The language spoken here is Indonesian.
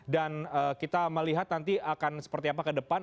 dan kita melihat nanti akan seperti apa ke depan